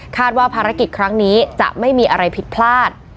ว่าภารกิจครั้งนี้จะไม่มีอะไรผิดพลาด